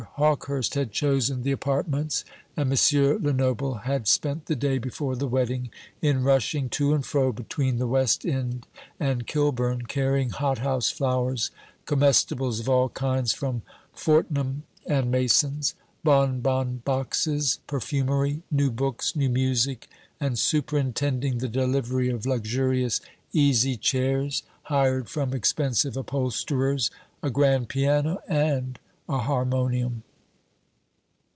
Hawkehurst had chosen the apartments, and M. Lenoble had spent the day before the wedding in rushing to and fro between the West End and Kilburn, carrying hot house flowers, comestibles of all kinds from Fortnum and Mason's, bonbon boxes, perfumery, new books, new music, and superintending the delivery of luxurious easy chairs, hired from expensive upholsterers, a grand piano, and a harmonium.